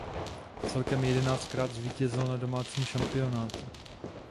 Celkem jedenáctkrát zvítězil na domácím šampionátu.